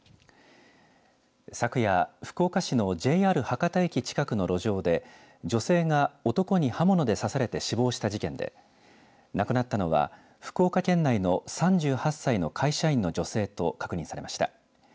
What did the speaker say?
昨夜、福岡市のＪＲ博多駅近くの路上で女性が男に刃物で刺されて死亡した事件で亡くなったのは、福岡県内の３８歳の会社員の女性と確認されました。